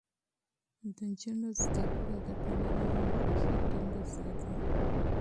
د نجونو زده کړه د ټولنې همغږي ټينګه ساتي.